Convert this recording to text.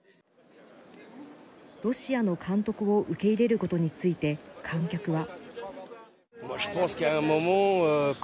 ロシアの監督を受け入れることについて観客は。